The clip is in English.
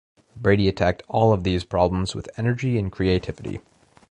Brady attacked all of these problems with energy and creativity.